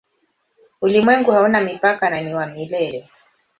Ulimwengu hauna mipaka na ni wa milele.